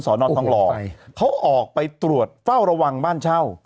นทองหล่อเขาออกไปตรวจเฝ้าระวังบ้านเช่า